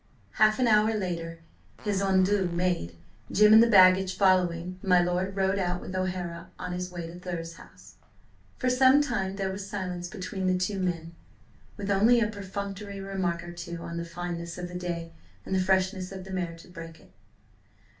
Half an hour later, his adieux made, Jim and the baggage following, my lord rode out with O'Hara on his way to Thurze House. For some time there was silence between the two men, with only a perfunctory remark or two on the fineness of the day and the freshness of the mare to break it.